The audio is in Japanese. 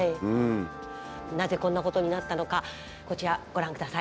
なぜこんなことになったのかこちらご覧ください。